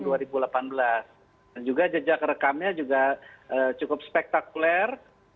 dan juga jejak rekamnya juga cukup spektakuler